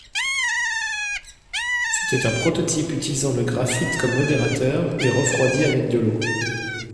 C'était un prototype utilisant le graphite comme modérateur et refroidi avec de l'eau.